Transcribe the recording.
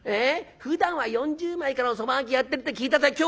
ふだんは４０枚からのそば賭けやってるって聞いたぜ。